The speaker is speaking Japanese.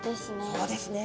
そうですね。